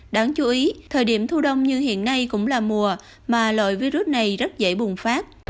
đáng chú ý thời điểm thu đông như hiện nay cũng là mùa mà loại virus này rất dễ bùng phát